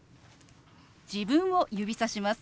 自分を指さします。